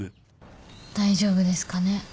大丈夫ですかね？